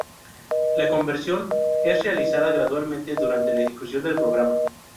La conversión es realizada gradualmente durante la ejecución del programa.